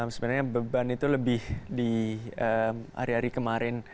sebenarnya beban itu lebih di hari hari kemarin